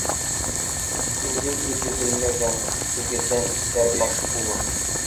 Үҙен-үҙе белмәгән үгеҙҙән иҫәр баш булыр.